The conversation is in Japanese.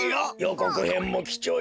こくへんもきちょうじゃ。